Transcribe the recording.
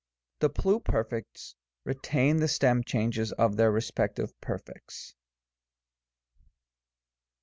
8. The Pluperfects retain the stem changes of their respective Perfects.